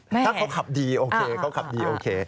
ถ้าเขาขับดีโอเค